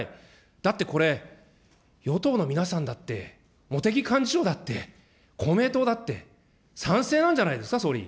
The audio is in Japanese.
だってこれ、与党の皆さんだって、茂木幹事長だって、公明党だって、賛成なんじゃないですか、総理。